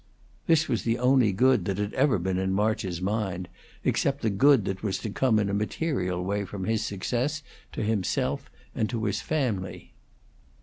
This was the only good that had ever been in March's mind, except the good that was to come in a material way from his success, to himself and to his family.